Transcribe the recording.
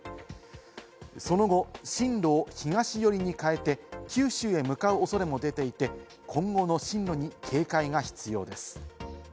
その後、進路を東寄りに変えて、九州へ向かう恐れも出ていて、今後の進路に警戒が必要です。